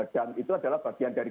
dan itu adalah bagian dari